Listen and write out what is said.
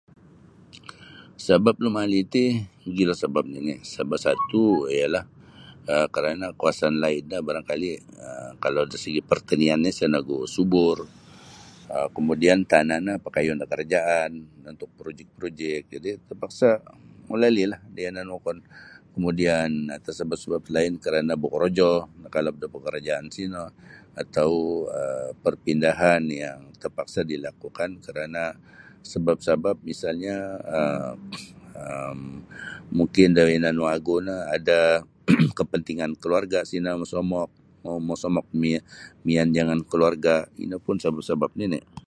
Sabap lumali ti mogilo sebap nini' serba satu' ialah um karana' kawasan lain no barangkali' um kalau dari segi pertaniannyo isa nogu subur um kemudian tana' no pakayun da kerajaan untuk projik-projik jadi' terpaksa lumalilah da yanan wokon. Kemudian sebap-sebap lain kerana' bokorojo atau nakalap da korojo sino atau perpindahan yang terpaksa dilakukan karana' sebap-sebap misalnyo um mungkin da yanan wagu no ada kepentingan keluarga' sino mosomok um mosomok miy miyan jangan keluarga' ino pun sebap-sebap nini'.